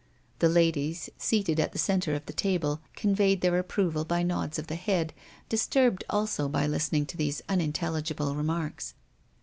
The ladies seated at the center of the table conveyed their approval by nods of the head, disturbed also by listening to these unintelligible remarks.